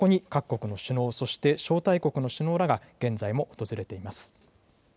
そこに各国の首脳、そして招待国の首脳らが現在も訪れています。